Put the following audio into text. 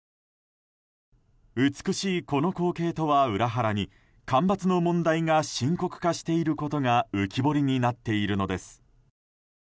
美しいこの光景とは裏腹に干ばつの問題が深刻化していることが浮き彫りになっているのです。